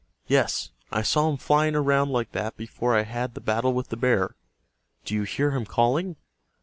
Yes, I saw him flying around like that before I had the battle with the bear. Do you hear him calling?